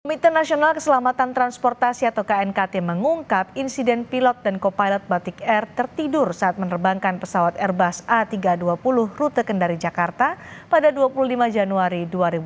komite nasional keselamatan transportasi atau knkt mengungkap insiden pilot dan kopilot batik air tertidur saat menerbangkan pesawat airbus a tiga ratus dua puluh rute kendari jakarta pada dua puluh lima januari dua ribu dua puluh